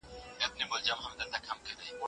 حکومت بايد بې وزلو ته کار وکړي.